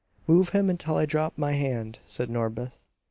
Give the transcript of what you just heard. "Move him until I drop my hand," said Norbith.